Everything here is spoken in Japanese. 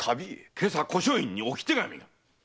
今朝小書院に置き手紙が。